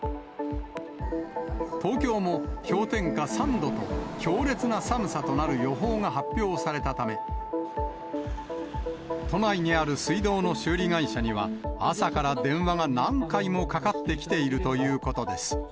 東京も氷点下３度と、強烈な寒さとなる予報が発表されたため、都内にある水道の修理会社には、朝から電話が何回もかかってきているということです。